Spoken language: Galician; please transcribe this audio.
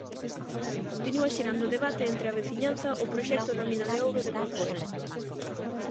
Continúa xerando debate entre a veciñanza o proxecto da mina de ouro de Corcoesto.